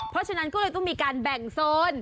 เพราะฉะนั้นก็เลยต้องมีการแบ่งโซน